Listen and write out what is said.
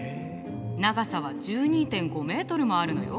長さは１２．５メートルもあるのよ。